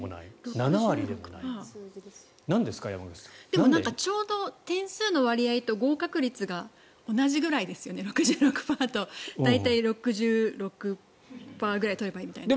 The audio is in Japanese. でも、ちょうど点数の割合と合格率が同じぐらいですよね、６６％と大体６６％ぐらい取ればいいみたいな。